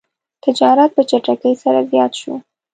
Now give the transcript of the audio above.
تجارت په چټکۍ سره زیات شو.